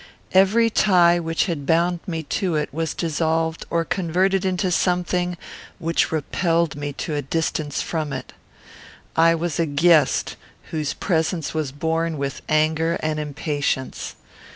Every tie which had bound me to it was dissolved or converted into something which repelled me to a distance from it. I was a guest whose presence was borne with anger and impatience.